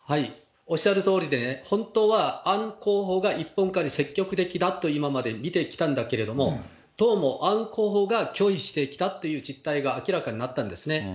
おっしゃるとおりでね、本当は、アン候補が一本化に積極的だと、今まで見てきたんだけれども、どうも、アン候補が拒否してきたっていう実態が明らかになったんですね。